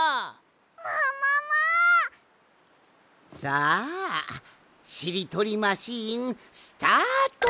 さあしりとりマシーンスタート！